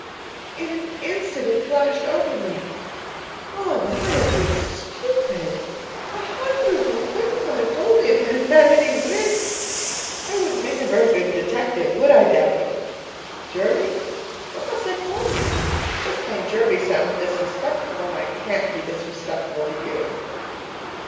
In an instant it flashed over me. Oh, but I have been stupid! A hundred little things might have told me, if I had had any wits. I wouldn't make a very good detective, would I, Daddy? Jervie? What must I call you? Just plain Jervie sounds disrespectful, and I can't be disrespectful to you!